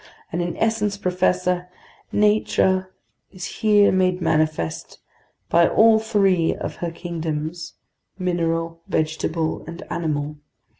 And in essence, professor, nature is here made manifest by all three of her kingdoms, mineral, vegetable, and animal.